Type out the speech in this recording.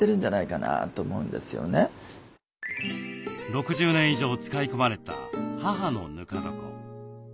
６０年以上使い込まれた母のぬか床。